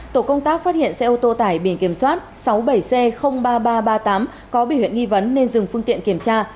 tổ công tác phát hiện xe ô tô tải biển kiểm soát sáu mươi bảy c ba nghìn ba trăm ba mươi tám có biểu hiện nghi vấn nên dừng phương tiện kiểm tra